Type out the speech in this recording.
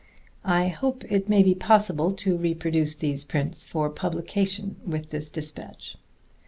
I hope it may be possible to reproduce these prints for publication with this despatch.